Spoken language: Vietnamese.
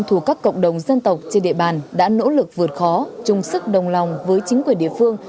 thuộc các cộng đồng dân tộc trên địa bàn đã nỗ lực vượt khó trung sức đồng lòng với chính quyền địa phương